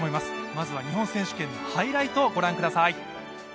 まずは日本選手権のハイライトをご覧ください。